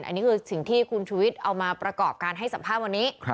อันนี้คือสิ่งที่คุณชุวิตเอามาประกอบการให้สัมภาษณ์วันนี้